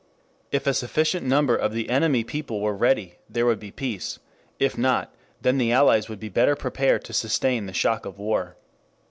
If a sufficient number of the enemy people were ready there would be peace; if not, then the Allies would be better prepared to sustain the shock of war.